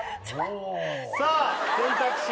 さあ選択肢